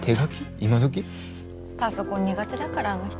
ふふふっパソコン苦手だからあの人。